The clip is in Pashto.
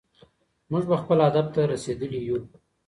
موږ به خپل هدف ته رسېدلي يو.